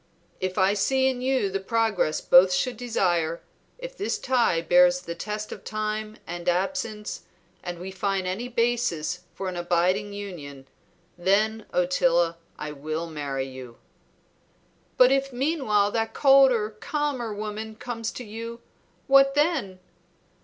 "If I see in you the progress both should desire, if this tie bears the test of time and absence, and we find any basis for an abiding union, then, Ottila, I will marry you." "But if meanwhile that colder, calmer woman comes to you, what then?"